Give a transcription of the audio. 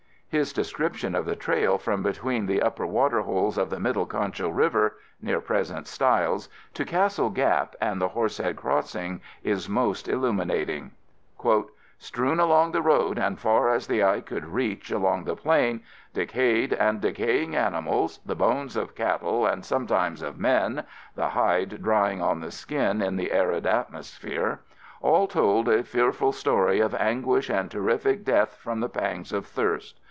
His description of the trail from between the upper water holes of the Middle Concho River (near present Stiles) to Castle Gap and the Horsehead Crossing is most illuminating. "Strewn along the load, and far as the eye could reach along the plain—decayed and decaying animals, the bones of cattle and sometimes of men (the hide drying on the skin in the arid atmosphere), all told a fearful story of anguish and terrific death from the pangs of thirst.